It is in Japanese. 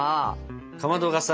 かまどがさ